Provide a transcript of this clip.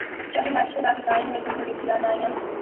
چاہے martial law کے سائے ہوں یا جمہوریت کی رعنائیاں۔